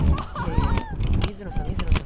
いやいや水野さん水野さん